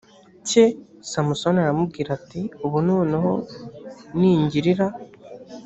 cye samusoni aramubwira ati ubu noneho ningirira